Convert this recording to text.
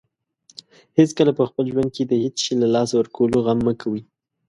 هیڅکله په خپل ژوند کې د هیڅ شی له لاسه ورکولو غم مه کوئ.